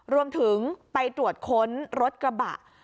รวมถึงไปตรวจค้นรถกระบะ